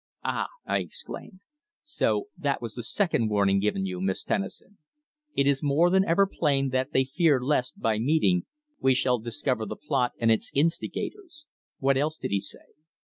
"Ah!" I exclaimed. "So that was the second warning given you, Miss Tennison! It is more than ever plain that they fear lest, by meeting, we shall discover the plot and its instigators. What else did he say?"